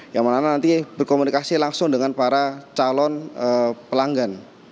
yang mana nanti berkomunikasi langsung dengan para calon pelanggan